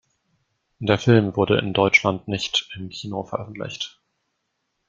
Der Film wurde in Deutschland nicht im Kino veröffentlicht.